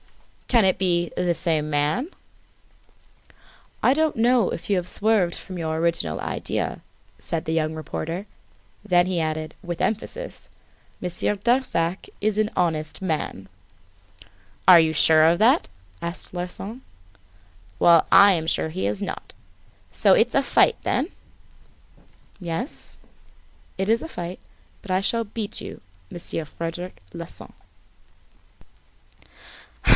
"Can it be the same man?" "I don't know if you have swerved from your original idea," said the young reporter. Then he added, with emphasis: "Monsieur Darzac is an honest man!" "Are you sure of that?" asked Larsan. "Well, I am sure he is not. So it's a fight then?" "Yes, it is a fight. But I shall beat you, Monsieur Frederic Larsan."